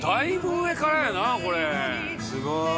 すごーい。